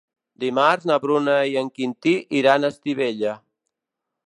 Dimarts na Bruna i en Quintí iran a Estivella.